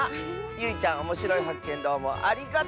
ゆいちゃんおもしろいはっけんどうもありがとう！